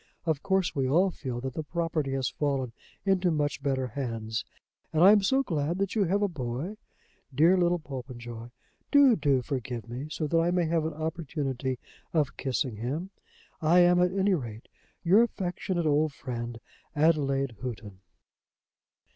Of course, we all feel that the property has fallen into much better hands. And I am so glad that you have a boy. Dear little Popenjoy! Do, do forgive me, so that I may have an opportunity of kissing him. I am, at any rate, "Your affectionate old friend, "ADELAIDE HOUGHTON."